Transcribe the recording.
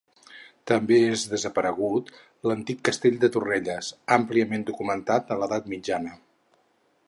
També és desaparegut l'antic Castell de Torrelles, àmpliament documentat a l'Edat mitjana.